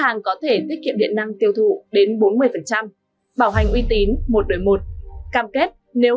hàng có thể tiết kiệm điện năng tiêu thụ đến bốn mươi phần trăm bảo hành uy tín một đời một cam kết nếu